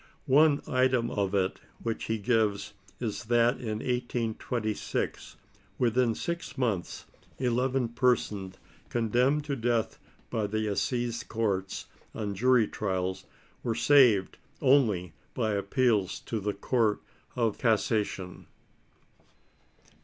One item of it which he gives, is that in 1826, within six months, eleven persons condemned to death by the assise courts, on jury trials, were saved only by appeals to the Court of Cassation.